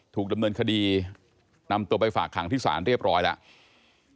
ถูกดำเนินคดีนำตัวไปฝากขังที่ศาลเรียบร้อยแล้ว